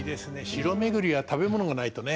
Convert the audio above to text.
城巡りは食べ物がないとね。